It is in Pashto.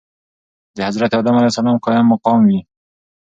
دحضرت ادم عليه السلام قايم مقام وي .